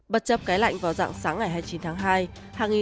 bất chấp cái lạnh vào dạng sáng ngày hai mươi chín tháng hai